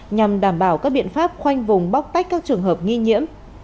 nhằm đảm bảo các biện pháp khoanh vùng bóc tách các trường hợp nghi nhiễm